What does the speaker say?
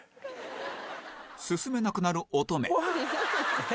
進めなくなる乙女